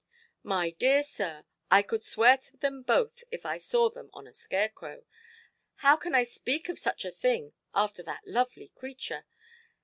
"My dear sir, I could swear to them both if I saw them on a scarecrow. How can I speak of such a thing after that lovely creature?